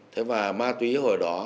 thế mà ma túy hồi đó